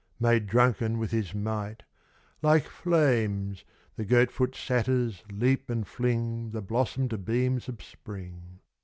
Made drunken with his might, Like flames the goat foot satyrs leap and fling The blossom'd beams of spring.